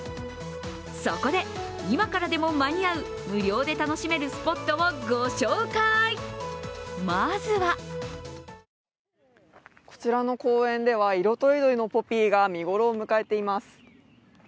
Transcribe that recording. そこで、今からでも間に合う無料で楽しめるスポットを御紹介、まずはこちらの公園では色とりどりのポピーが見頃を迎えています。